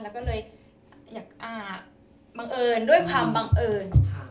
แล้วก็เลยอยากอาบบังเอิญด้วยความบังเอิญ